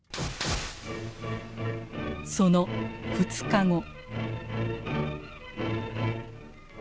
その２日後。